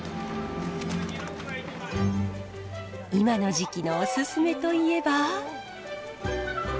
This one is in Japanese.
今の時期のおすすめといえば。